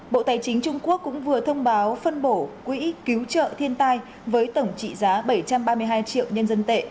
bộ tài chính trung quốc cũng vừa thông báo phân bổ quỹ cứu trợ thiên tai với tổng trị giá bảy trăm ba mươi hai triệu nhân dân tệ